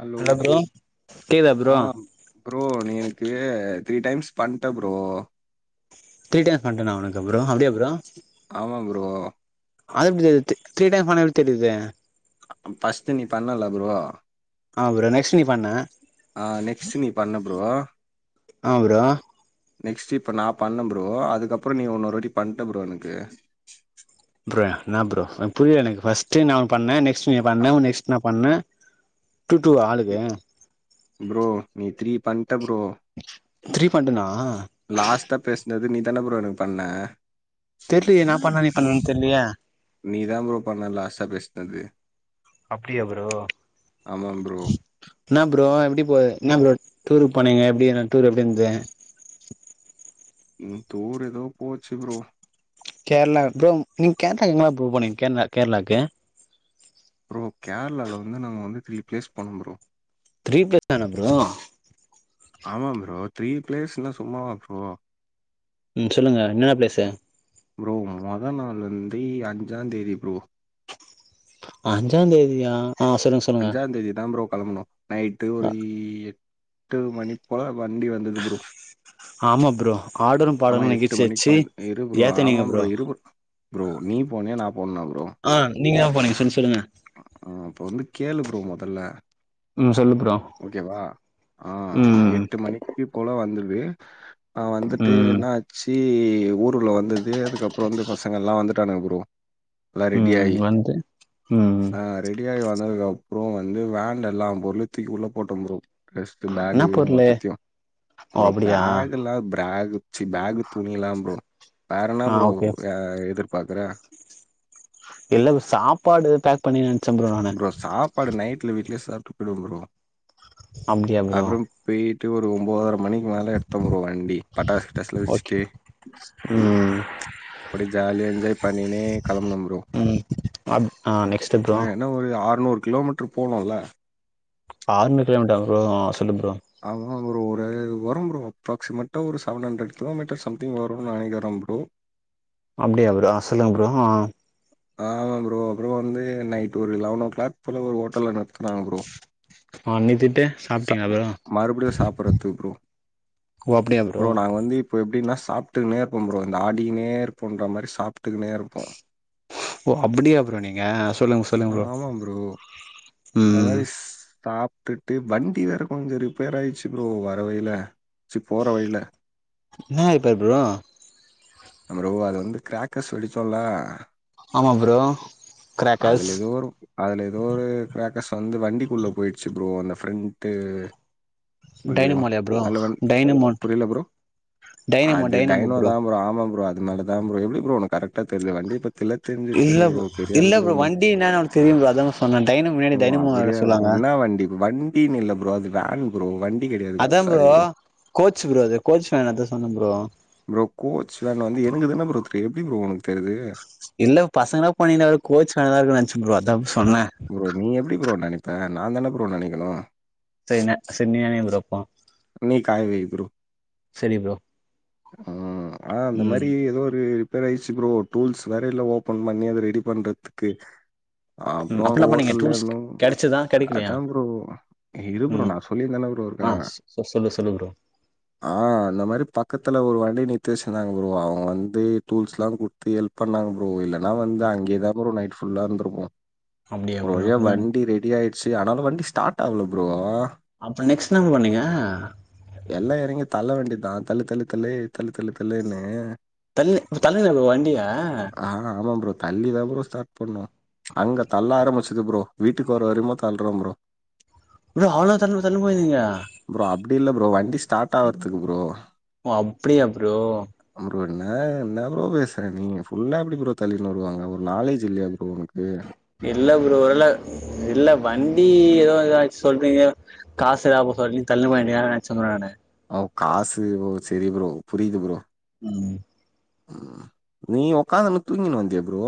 Hello கேக்குதா bro ஆஹ் bro நீ எனக்கு த்ரீ டைம்ஸ் பண்ணிட்ட ப்ரோ த்ரீ டைம்ஸ் பண்டனா உனக்கு ப்ரோ அப்படியா ப்ரோ ஆமா ப்ரோ அது எப்படி தெரிய த்ரீ டைம்ஸ் எப்படி தெரியுது பஸ்ட் நீ பண்ணல ப்ரோ ஆ ப்ரோ நெக்ஸ்ட் நீ பண்ண ஆஹ் நெக்ஸ்ட் நீ பண்ண ப்ரோ ஆமா ப்ரோ நெக்ஸ்ட் இப்ப நான் பண்ண ப்ரோ அதுக்கப்புறம் நீ இன்னொருட்ட பண்ணிட்ட ப்ரோ எனக்கு என்ன ப்ரோ புரியல எனக்கு ஃபர்ஸ்ட் நாபண்ணேன் நெக்ஸ்ட் நீ பண்ண நெஸ்ட் நான் பண்ணேன் டூ டூ அழுக்கு ப்ரோ நீ தரீ பண்ட ப்ரோ த்ரீ பண்டனா லாஸ்ட்டா பேசுனது நீதானே ப்ரோ எனக்கு பண்ண தெரியலேயே நா பண்ண நீ பண்ண தெரியலையே நீதாம் ப்ரோ பண்ண லாஸ்ட்டா பேசனது அப்படியா ப்ரோ ப்ரோ என்னா ப்ரோ எப்படி போது என்ன ப்ரோ டூருக்கு போனீங்க எப்படி நான் டூர் எப்படி இருந்தேன் உம் டூர் ஏதோ போச்சு ப்ரோ கேரளா ப்ரோ நீங்க கேரளாக்கு எங்களா ப்ரூ போனீங்க கேரளா கேரளாக்கு கேரளாவில வந்து நாங்க வந்து திரீ பிளேஸ் போணம் ப்ரோ த்ரீ பிளேஸ் தானா ப்ரோ ஆமா ப்ரோ த்ரீ பிளேஸ்ன சும்மாவா ப்ரோ ம் சொல்லுங்க என்னென்ன பிளேஸ் ப்ரோ மொதல் நாள் வந்து அஞ்சாம் தேதி ப்ரோ அஞ்சா தேதியா அஞ்சாந்தேதி தா ப்ரோ களம்னொ நைட்டு ஆ ஒரு இஎ எட்டு மணிபோல வண்டி வந்தது ப்ரோ ஆமா ப்ரோ ஆடலும் ஆமா பாடலும் எட்டு நிகழ்ச்சி மணிக்கு வச்சு வந் இரு ப்ரோ ஆமா ப்ரோ இரு ப்ரோ ப்ரோ நீ போனியா நா ஆ நீங்கதா போனீங்க சொல்லு சொல்லுங்க அ ஆ அப்ப வந்து கேளு ப்ரோ மொதல்ல ம் சொல்லு ப்ரோ ஓகேவா ஆ ம் எட்டு மணிக்கி போல வந்த்ருவே அ வந்துட்டு ம் என்ன ஆச்சி ஈ உ உள்ள வந்துது அதுக்கப்றொ வந்து பசங்கல்லாம் வந்து ட்டானுங்க ப்ரோ எல்லா ரெடி ம் ஆயி வந்து ம் ஆ ரெடி ஆய் வந்ததுக்கப் ப்றொ வந்து வேண்ல எல்லாம் பொருளையு தூக்கி உள்ள போட்டம் ப்ரோ வெஷ்ட்டு பேகு என்ன ஈகு பொருளு மொத்தத்தியு ஓ அப்றொ அப்டியா பேகுல்லா ப்ராகு சி பேகு துணியெல்லா ப்ரோ வேற என்ன ஆ ப்ரோ ஓகே அ எதிர் பாக்கற எல்லா சாப்பாடு பேக் பண்ணி ப்ரோ சாப்பாடு நைட்ல வீட்ல சா [unintelligible] ப்ரோ அப்டியா ப்ரோ அப்பறம் பே ட்டு ஒரு ஒம்பொதர மணிக்கு மேல எடுத்தன் ப்ரோ வண்டி பட்டாசு கிட்டாசு எல்லா ஓகே வெச்சுட்டு ம் அப்டியே ஜாலியா என்ஜாய் பண்ணினே கெளம்புனோ ப்ரோ ம் அப் ஆ நெக்ஸ்ட் ப்ரோ இன்னோரு கிலோமீட்டர் போனுல ஆனூரு கிலோமீட்டரா ப்ரோ சொல்லு ப்ரோ ஆமா ப்ரோ ஒரு வரும் ப்ரோ அப்ராக்சிமேட்டா ஒரு செவன் ஹண்ரட் கிலோமீட்டர் சம்திங் வருனு நெனைக்கிறேன் ப்ரோ அப்டியா ப்ரோ சொல்லுங்க ப்ரோ ஆமா ப்ரோ அப்றோ வந்து நைட் ஒரு லெவன் ஓ கிளாக் போல ஒரு ஹோட்டல்ல நிறுத்துனாங்க ப்ரோ ஆனிதின் ச மறுபடியு சாப்பிடுறதுக்கு ப்ரோ ஓ அப்டியா ப்ரோ நாங்க வந்து இப்போ எப்டினா சாப்ட்டுக்கு நே இருப்போ ப்ரோ இந்த ஆடிக்கின்னே இருப்போன்ற மாரி சாப்ட்டுக்கு நே இருப்போ ஓ அப்டியா ப்ரோ நீங்க சொல்லுங்க சொல்லுங்க ப்ரோ ம் [unintelligible] சாப்டுட்டு வண்டி வேற கொஞ்சோ ரிப்பேர் ஆய்ருச்சு ப்ரோ வர வழில சீ போற வழில என்ன ரிப்பேர் ப்ரோ ப்ரோ அது வந்து கிராக்கர்ஸ் வெடிச்சோம்ல ஆமா ப்ரோ கிராக்கஸ் ஏதோ ஒரு அதுல ஏதோ ஒரு கிராக்கர்ஸ் வந்து வண்டிக்குள்ள போய்டுச்சு ப்ரோ அந்த ப்ரெண்ட் டைனமோலயா [unintelligible] ப்ரோ அதுல வந்த் டைனமோ புரில ப்ரோ டைனமோ அது டைனமோ டைனோதா ப்ரோ ஆமா ப்ரோ அதனால தா ப்ரோ எப்டி ப்ரோ உனக்கு கரெக்ட் க்டா தெரிது வண்டி ய பத்தி இல்ல இல்ல ப்ரோ வண்டி என்னனு அவனுக்கு தெரியும்ல அதா சொன்னே டை ஓ அப்டியா ப்ரோ என்ன வண்டிக் வண் இல்ல ப்ரோ அது வேன் ப்ரோ வண் அதா ப்ரோ கோச் ப்ரோ அது கோச் வேன் அத சொன்ன ப்ரோ எப்டி ப்ரோ உனக் இல்ல பசங்கலா போனீங்ளா எதாச்சு கோச் வேனா தா இருக்கு னு நெனைச்ச ப்ரோ அதா ப்ரோ ப்ரோ நீ எப்டி ப்ரோ நெனைப்ப நா தான ப்ரோ நெனைக்கணு செரி செரி நீ நினையே ப்ரோ அப்போ நீ காய வை ப்ரோ. சரி ப்ரோ ம் ஆ அந்த ம் மாரி ஏதோ ஒரு ரிபர் ஆயிருச்சு ப்ரோ டூல்ஸ் வேற இல்ல ஓபன் பண்ணி அத ரெடி பண்ற துக்கு ம் அப்ப என்ன பண்ணீங்க டூல்ஸ் [unintelligible] கெடச்சதா கெடைக்கலையா அதான் ப்ரோ இரு ப்ரோ ம் நான் சொல்லிட்டுதானே ப்ரோ ஆ இருக்கேன் சொ சொல்லு சொல்லு ப்ரோ ஆ அந்த மாரி பக்கத்ல ஒரு வண்டி நீ [unintelligible] அவுங்க வந்து டூல்ஸ் லாம் குடுத்து ஹெல்ப் பண்ணாங்க ப்ரோ இல்ல நா வந்து அங்கேயே தா ப்ரோ நைட் புல்லா இருந்திருக்கோ அப்டியா ஒரு ப்ரோ வழியா அப்ப வண்டி ரெடி ஆயி சேரி ஆனாலு வண்டி ஸ்டார்ட் ஆவல ப்ரோ அப்ப நெக்ஸ்ட் என்னப்பா பண்ணீங்க தான் தள்ளு தள்ளு தள்ளு தள்ளு தள்ளு தள்ளுனு தள்ளு தள்ளுணி ப்ரோ வண்டியா ஆ ஆமா ப்ரோ. தள்ளி பரோ ஸ்டார்ட் பண்ணோ அங்க தள்ள ஆரம்பிச்சுது ப்ரோ வீட்டுக்கு ஒரு வரையுமோ தள்ளறோ ப்ரோ ப்ரோ அவளோ தள்ள தள்ளு போயிந்தீங்க ப்ரோ அப்படி இல்ல ப்ரோ. வண்டி ஸ்டார்ட் ஆகறதுக்கு ப்ரோ ஓ அப்படியா ப்ரோ ப்ரோ என்ன என்ன ப்ரோ பேசுறீங்க நீ ஃபுல்லா எப்படி ப்ரோ தள்ளின்னு வருவாங்க ஒரு நாலேஜ் இல்லையா ப்ரோ உனுக்கு இல்ல ப்ரோ உரல இல்ல வண்டி ஏதோ ஏதாச்சும் சொல்றீங்க காசு அப்பப்ப தள்ளு வண்டியே நினைச்சேன் ப்ரோ நானு அஹ காசு போ சரி ப்ரோ புரியுது ப்ரோ உம் உம் நீ உக்காந்துன்னு தூங்கின வந்தியா ப்ரோ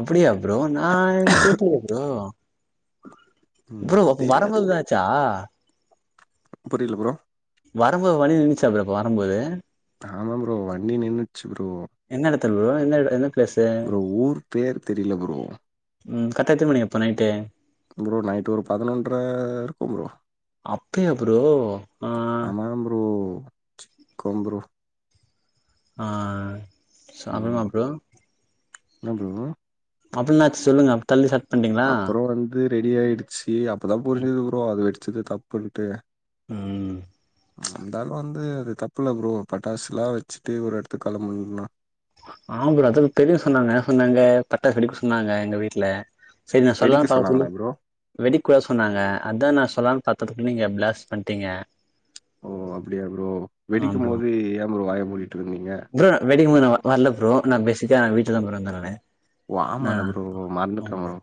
அப்டியா ப்ரோ நா எனக்கு தெரியல ப்ரோ ம் ப்ரோ தெரியாது வரும்போது ப்ரோ. தான்ச்சா புரியல ப்ரோ வரும்போது வண்டி நின்னுச்சா அப்புறம் வரும்போது ஆமா ப்ரோ. வண்டி நின்னுடுச்சு ப்ரோ என்ன எடத்துல ப்ரோ என்ன என்ன பிளேஸு ப்ரோ ஊர் பேர் தெரியல ப்ரோ உம் கத்தத்த எத்த மணி அப்ப நைடு ப்ரோ நைட் ஒரு பதினொன்றர இருக்கும் ப்ரோ அப்டியா ப்ரோ ஆ ஆமா ப்ரோ கொம் ப்ரோ ஆ சாப்படலாம் ம் ப்ரோ என்ன அப்படின்னாச்சு சொல்லுங்க தள்ளி ஸ்டார்ட் பண்ட்டீங்களா அப்புறம் வந்து ரெடி ஆயிடுச்சு அப்பதா புரிஞ்சது ப்ரோ அது வச்சது தப்புன்னுட்டு உஹம் இருந்தாலும் வந்து அது தப்புல ப்ரோ பட்டாசு எல்லாம் வச்சுட்டு ஒரு இடத்துக்கு கிளம்புண்ணா ஆமாம் ப்ரே அது பெரியவ சொன்னாங்க சொன்னாங்க பட்டாசு வெடிக்கும் சொன்னாங்க எங்க வீட்டுல சரி நான் வெடிக்க சொல்லான்னு பாத்ததுக்கு சொன்னாங்களா ப்ரோ வெடிக்கூடாதுனு சொன்னாங்க அதுதான் நா சொல்லான்னு பார்த்ததுக்கு நீங்க பிளாஸ்ட் பண்ணிட்டீங்க ஓ அப்படியா ப்ரோ வெடிக்கும் ப்ரோ போது ஏன் ப்ரோ வாய மூடிட்டு இருந்தீங்க ப்ரோ வெடிக்கும்போது நா வரல ப்ரோ நா ப்பேஸிக்கா நா வீட்டுல தா ப்ரோ இருந்த நானு நா வாம்மால ப்ரோ மறந்துட்ட ப்ரோ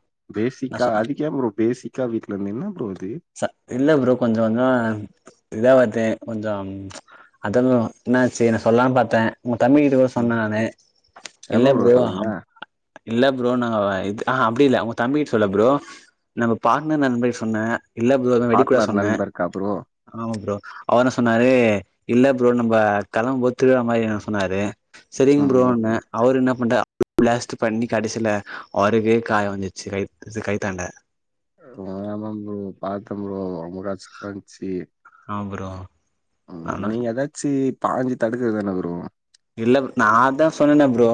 நா பேசிக்கா சொ அதுக்கே ப்ரோ பேசிக்கா வீட்டுல இருந்துனா ப்ரோ அது ச இல்ல ப்ரோ கொஞ்சம் கொஞ்சம் இதா பார்த்தேன் கொஞ்சம் அதும் என்னச்சு நா சொல்லான்னு பார்த்தேன் உங்க தம்பி கிட்ட தா சொன்னே ம் நானு இல்ல எப்ப ப்ரோ சொன்னீங்க அப் இல்ல ப்ரோ நாங்க இது ஆ அப்டி இல்ல உங்க தம்பிட்ட சொல்ல ப்ரோ நம்ம பாட்னர் நண்பர்ட்ட சொன்னே இல்ல ப்ரோ இது மாரி வெடிக்க கூடாது பார்ட்னர் சொன்னே நண்பருக்கா ப்ரோ ஆமா ப்ரோ அவர் என்ன சொன்னாரு இல்ல ப்ரோ நம்ப களம் போத்துகிற மாரி எதுனா சொன்னாரு ஆ செரிங்க ஓகே ப்ரோண்ணே அவரு என்ன பண்டா பிளாஸ்ட் பண்ணி கடைசில அவருக்கே காயோ வந்துச்சி கை இது கைத்தாண்ட ஆமா ப்ரோ பாத்தே ப்ரோ ரொம்ப கஷ்டமாயிடுச்சி ஆமா ப்ரோ நாந்தா பாஞ்சி தடுக்றது தான ப்ரோ இல்ல பு நா அதா சொன்னனே ப்ரோ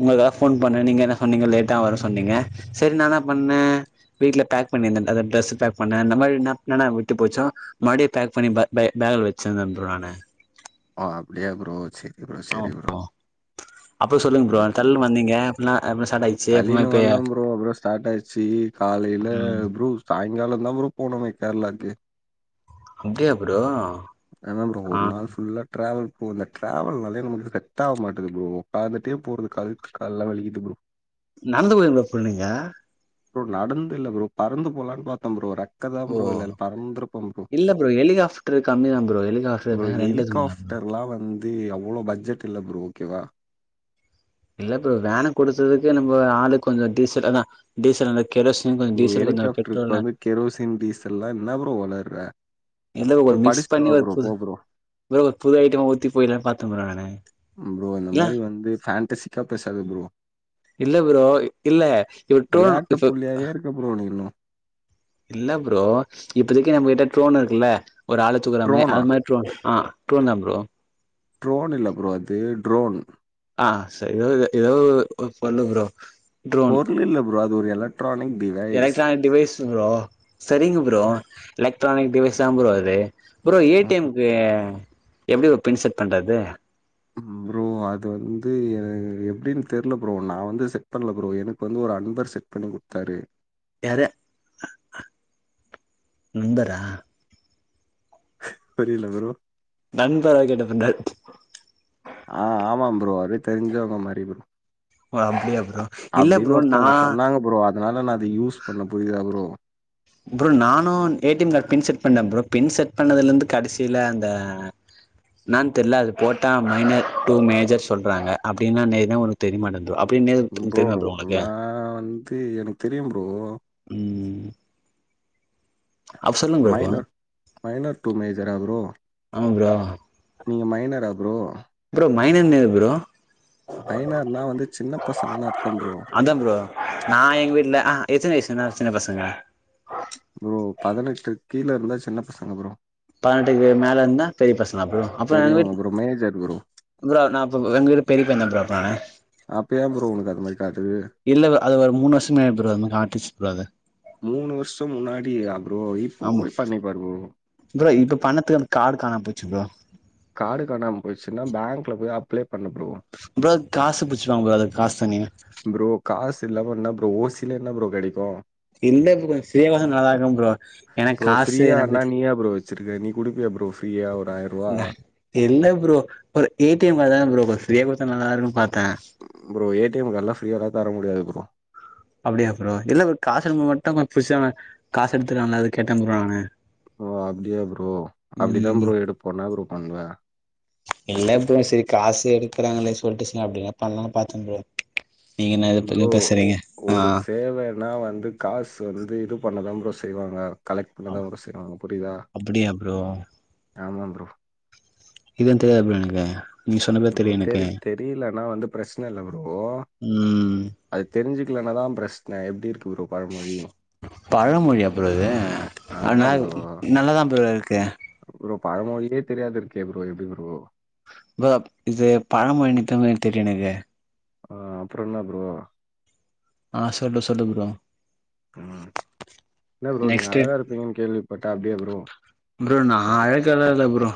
உங்களுக்காக போன் பண்ணே நீங்க என்ன சொன்னீங்க லேட்டா வர சொன்னீங்க செரி நா என்ன பண்ணே வீட்ல பேக் பண்ணியிருந்தே அத டிரெஸ் பேக் பண்ணே இந்த மாதிரி என்ன என்னென்ன விட்டு போச்சோ மறுபடியு பேக் பண்ணி பே பேக் பேக்ல வச்சிருந்தே ப்ரோ நானு ஆ அப்டியா ப்ரோ சேரி ப்ரோ ஆமா செரி ப்ரோ அப்றோ சொல்லுங்க ஓகே ப்ரோ தள்ளு வந்தீங்க அப்டிலா அப்டிலா ஸ்டார்ட் ஆயிச்சு அப்றமா தள்ளினு இப்ப வந்தே ப்ரோ அப்பறோ ஸ்டார்ட் ஆயிடுச்சி காலேல ம் ப்ரூ சாயங்காலம்ந்தா ப்ரூ போனுமே கேரளாக்கு அப்டியா ப்ரோ ஆ ட்ராவல் போ அந்த ட்ராவல் நாலே நமக்கு செட் ஆக மாட்டது ப்ரோ உட்காந்துட்டே போறது கால் கால்லா வலிக்குது ப்ரோ நடந்து போயிருங்க ப்ரோ நீங்க ப்ரோ நடந்து இல்ல ப்ரோ பறந்து போலான்னு பாத்தே ப்ரோ ரெக் ஓ இல்ல ப்ரோ ஹெலிகாப்டரு கம்மிதா ப்ரோ ஹெலிகாப்டரு ப்ரோ ரெண்டுக்கு எடுத்துக்கலா ப்ரோ ஹெலிகாப்டர்லா வந்து அவ்ளோ பட்ஜெட் இல்ல ப்ரோ ஓகேவா இல்ல ப்ரோ வேண கொடுத்ததுக்கு நம்ப ஆளுக்கு கொஞ்சோ டீசல் அதா டீசல் கெரோசின் கொஞ்சோ ஒரு டீசல் கொஞ்சோ ஹெலிகாப்டருக்கு பெட்ரோல்ல வந்து கெரோசின் டீசல்ல்லா என்ன ப்ரோ உளர் புற இல்ல ஒரு மிஸ் பண்ணி ஒரு புது ப்ரோ ஒரு புது ஐட்டமா ஊத்தி போயிறலான்னு பாத்தே ப்ரோ நானு ப்ரோ இந்த இல்ல மாரி வந்து ஃபேண்டசிக்கா பேசாத ப்ரோ இல்ல ப்ரோ இல்ல இப்ப டோன் வெளையாட்டு இப்ப புள்ளையாவே இருக்க ப்ரோ நீ இன்னு இல்ல ப்ரோ இப்பதைக்கி நம்ம கிட்ட ட்ரோன் இருக்குல்ல ஒரு ஆளத்தூக்குற மாரி ட்ரோனா அது மாரி ட்ரோன் ஆ ட்ரோன் தா ப்ரோ ட்ரோன் இல்ல ப்ரோ அது ட்ரோன் ஆ செரி ஏதாவது ஏதாவது சொல்லு ப்ரோ ட்ரோன் பொருள் இல்ல ப்ரோ அது டூர்யாலர்ட் electronic device electronic device bro சரிங்க ப்ரோ லைக் எலக்டரானிக் டிவைஸ் தா ப்ரோ அது bro A D M K எப்படி ஒரு பின்செட் பண்றது ப்ரோ அது வந்து என எப்படின்னு தெரல ப்ரோ நா வந்து செட் பண்ணல ப்ரோ எனக்கு வந்து ஒரு அன்பர் செட் பண்ணி கொடுத்தாரு யார நண்பரா புரியல ப்ரோ நண்பரா கேட்ட ஆ ஆமா ப்ரோ அவ்ரே தெரிஞ்சவங்க மாரி ப்ரோ ஓ அப்டியா ப்ரோ இல்ல அப்டின்னு ப்ரோ நா ஒருத்தவுங்க சொன்னாங்க ப்ரோ அதனால நா அத யூஸ் பண்ண புரியுதா ப்ரோ ப்ரோ நானு A D M card pin set பண்ண ப்ரோ பின் செட் பண்ணதுலந்து கடசீல அந்த னான் தெர்ல அது போட்டா மைனர் டூ மேஜர் சொல்றாங்க அப்டின்னா [unintelligible] தெரியமாட்டுங்து அ ப்ரோ நா வந்து எனக்கு தெரியும் ப்ரோ அப் சொல்லுங்க ப்ரோ இப்போ மைனர் மைனர் டூ மேஜரா ப்ரோ ஆ ப்ரோ நீங்க மைனரா ப்ரோ ப்ரோ மைனன்னா எது ப்ரோ மைனர்னா வந்து சின்ன பசங்கன்னு அர்த்தம் ப்ரோ. அதாம் ப்ரோ நா எங் வீட்ல அ ஹ எத்தன வைஸ் என்னா சின்னப் பசங்க ப்ரோ பதினெட்டுக் கீழ இருந்தா சின்னப் பசங்க ப்ரோ பதினட்டுக்கு மேல இருந்தா பெரிய பசங் அப்பறொ எங்க பெரியவங்க வீட் ப்ரோ. Major bro. ப்ரோ நா அப்ப உங்க விட பெரிய பையந்தா ப்ரோ நானு அப்ப ஏன் ப்ரோ உனக்கு அது மாரி காட்டுது? இல்ல ப்ரோ அது ஒரு மூணு வர்ஷொ முன்னாடி ப்ரோ அது மாரி காட்டிஷ் ப்ரோ அத வருஷம் முன்னாடியா ப்ரோ? இப்போ ஆமா போய் பண்ணிப்பாரு ப்ரோ. இப்ப பண்ணத்துக்கு அந்த காடு காணாம போயிச்சு ப்ரோ காடு காணாம போயிருச்சுனா பேங்க்ல போய் அப்ளை பண்ணு ப்ரோ ப்ரோ காசு புடுச்சுருவாங்க ப்ரோ அதுக்கு காசு தனியா ப்ரோ காசு இல்லாம என்ன ப்ரோ ஓசில என்ன ப்ரோ கெடைக்கு இல்ல ப்ரோ [unintelligible] நல்லாதா இருக்கன் ப்ரோ எனக்கு ப்ரோ காசு [unintelligible] ஃப்ரீயானா நீயா ப்ரோ வச்சிருக்க நீ குடுப்பியா ப்ரோ ஃப்ரீயா ஒரு ஆயர்ரூவா நா இல்ல ப்ரோ ஒரு ஏ டி எம் அதான ப்ரோ ஃப்ரீயா குடுத்தா நல்லாருக்கும் பார் ப்ரோ ஏ டி எம் கடெல்லா ஃரீயால்லா தர முடியாது ப்ரோ அப்டியா ப்ரோ இல்ல ப்ரோ காசு எடுக்கும்போது மட்டு கொஞ்சோ பிரச்சன காசு எடுத்துருவாங்க அத கேட்டேன் ப்ரோ நானு ஓ அப்டியா ப்ரோ அப்டிதா ம் ப்ரோ எடுப்போ என்னா ப்ரோ பண்ணுவ இருக்கறாங்கலே சொல்ட்டு [unintelligible] அப்டின் பண்லா பாத்துங் ப்ரோ நீங்க என்ன எதோ இது ப்ரோ பேசுறீங்க ஆ ஒரு சேவனா வந்து காசு வந்து இது பண்ணதா ப்ரோ செய்வாங்க கலெக்ட் பண்ணதா ஒரு செய்றாங்க புரிதா அப்டியா ப்ரோ ஆமா ப்ரோ இதுன் தேவைப்படுனு நெனைக்கிறே நீ சொன்னப்ப தெரியு எனக்கு நா வந்து பிரச்சன இல்ல ஓ ம் அது தெரிஞ்சு என்னதான் பிரச்சனை எப்டி இருக்கு ப்ரோ பழமொழி பழமொழியா ப்ரோ இது ஆமா ஆனா ப்ரோ நல்லாதான் ப்ரோ இரு கு ப்ரோ பழமொழியே தெரியாத இருக்கியே ப்ரோ எப்டி ப்ரோ ப்ரோ இது பழமொழி இருக்க மாறி தெரியலயே எனக்கு ஆஹ் அப்புறம் என்ன ப்ரோ ஆஹ் சொல்லு சொல்லு ப்ரோ உம் இல்ல ப்ரோ நீங்க நெக்ஸ்ட் அழகா இருப்பீங்கன்னு கேள்விப்பட்டன் அப்டியே ப்ரோ ப்ரோ நா அழகெல்லா இல்ல ப்ரோ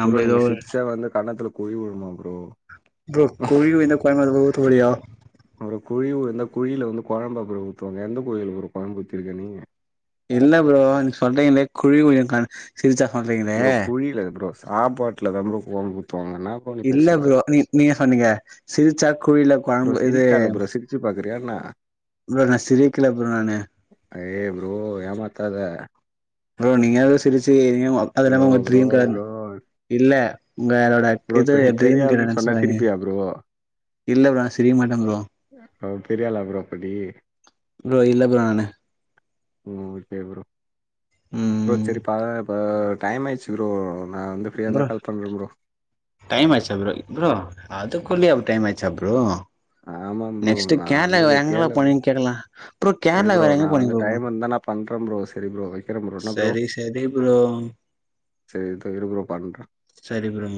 நம்ம ப்ரோ ஏதோ நீங்க சிர்ச்சா வந்து கண்ணத்துல குழி விழுமா ப்ரோ ப்ரோ குழி விழுந்த குழம்பு அதுக்குள்ள ஊத்த போறியா ஒரு குழி விழுந்தா குழில வந்து குழம்ப [unintelligible] ஊத்துவாங்க எந்த ப்ரோ [unintelligible] குழம்பு ஊத்திருக்க நீ இல்ல ப்ரோ நீ சொல்றீங்களே குழி விழும் கண் ப்ரோ குழில்ல ப்ரோ சாப்பாட்டுலதான் ப்ரோ கொழம்பூத் இல்ல ப்ரோ நீ நீ இப்ப நீீங்க சிறிச்சா குழில குழம்பு இது ரையாண்ணா ப்ரோ நான் சிரிக்கல ப்ரோ நானு ஏய் ப்ரோ ஏமாத்தாத ப்ரோ நீங்க ஏதோ சிரிச்சி ப்ரோ ப்ரோ ப்ரோ [unintelligible] இல்ல உங்களோட ப்ரோ இது இப்ப நீ ட்ரீம் பெரிய ஆள்னு சொன்னா கேள்நெனச்சிராதிங்க சிரிப்பியா ப்ரோ இல்ல ப்ரோ நான் சிரிக்க மாட்டேன் ப்ரோ அவன் பெரியால ஆகற அப்ப நீ ப்ரோ இல்ல ப்ரோ நானு உம் ஓகே ப்ரோ ப்ரோ ம் சரிப்பா ப டைம் ஆயிருச்சு ப்ரோ நான் வந்து ஃப்ரீயாக ப்ரோ இருந்தால் கால் பண்ணுறேன் ப்ரோ டைம் ஆயிருச்சா ப்ரோ ப்ரோ அதுகுள்ளயும் டைம் ஆய்ச்சா ப்ரோ ஆமாம் ப்ரோ நெக்ஸ்ட் நான் கேரளா வந்து வேற எங்கெல்லா வெட்டியால்ல போனீங்கன்னு கேக்கலா ப்ரோ சரி கேரளா ப்ரோ வேற எங்க நான் போனீங்க வந்து ப்ரோ டைம் இருந்தா நான் பண்றேன் ப்ரோ சரி ப்ரோ வைக்கிறேன் ப்ரோ என்ன ப்ரோ சரி சரி ப்ரோ சரி இரு ப்ரோ பண்றேன் சரி ப்ரோ